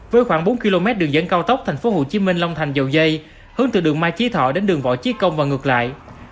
với khoảng bốn km đường dẫn cao tốc tp hcm long thành dầu dây hướng từ đường mai chí thọ đến đường võ chí công và ngược lại